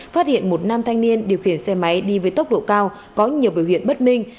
phát hiện một nam thanh niên điều khiển xe máy đi với tốc độ cao có nhiều biểu hiện bất minh